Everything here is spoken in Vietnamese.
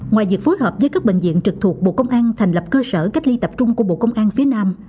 ngoài việc phối hợp với các bệnh viện trực thuộc bộ công an thành lập cơ sở cách ly tập trung của bộ công an phía nam